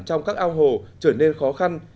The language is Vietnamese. trong các ao hồ trở nên khó khăn